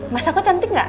mas aku cantik gak